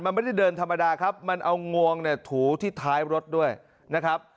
มันไม่ได้เดินธรรมดาครับมันเอางวงเนี่ยถูที่ท้ายรถด้วยนะครับ